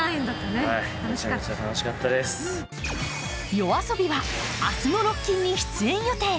ＹＯＡＳＯＢＩは明日のロッキンに出演予定。